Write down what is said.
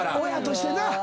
親としてな。